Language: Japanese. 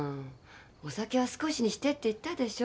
お酒は少しにしてって言ったでしょ？